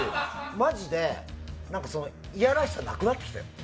マジでいやらしくなくなってきたよ。